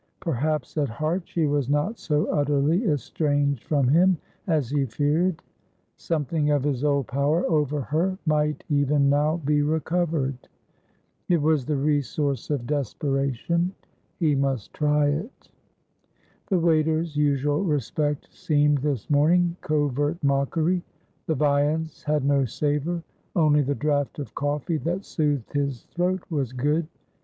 Perhaps, at heart, she was not so utterly estranged from him as he feared; something of his old power over her might even now be recovered. It was the resource of desperation; he must try it. The waiter's usual respect seemed, this morning, covert mockery. The viands had no savour; only the draught of coffee that soothed his throat was good.